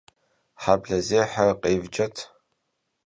Helhe zêher khêvcet!